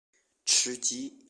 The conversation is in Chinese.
吃鸡